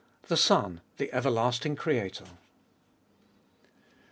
THE SON THE EVERLASTING CREATOR.